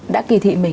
đã kỳ thị mình